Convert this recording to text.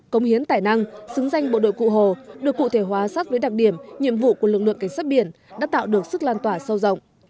công hiến tài năng xứng danh bộ đội cụ hồ được cụ thể hóa sát với đặc điểm nhiệm vụ của lực lượng cảnh sát biển đã tạo được sức lan tỏa sâu rộng